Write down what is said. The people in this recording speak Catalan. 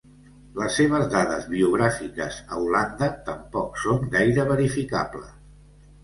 Les seves dades biogràfiques a Holanda tampoc són gaire verificables.